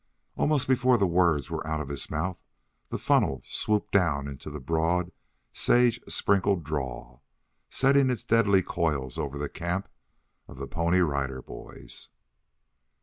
Almost before the words were out of his mouth the funnel swooped down into the broad sage sprinkled draw, setting its deadly coils over the camp of the Pony Rider Boys.